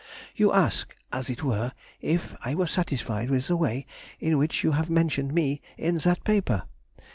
You ask, as it were, if I were satisfied with the way in which you have mentioned me in that paper?